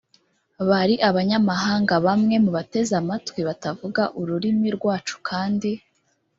bari abanyamahanga bamwe mubateze amatwi batavuga ururimi rwacu kandi